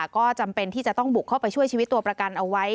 ก็จำเป็นที่จะต้องบุกเข้าไปช่วยชีวิตตัวประกันเอาไว้